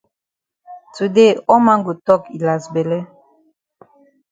Today all man go tok yi las bele